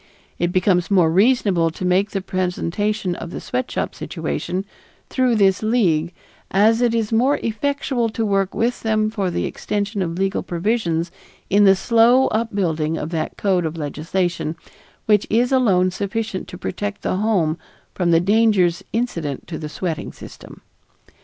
It becomes more reasonable to make the presentation of the sweatshop situation through this League, as it is more effectual to work with them for the extension of legal provisions in the slow upbuilding of that code of legislation which is alone sufficient to protect the home from the dangers incident to the sweating system.